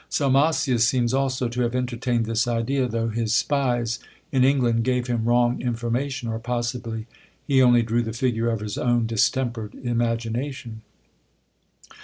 Salmasius seems also to have entertained this idea, though his spies in England gave him wrong information; or, possibly, he only drew the figure of his own distempered imagination.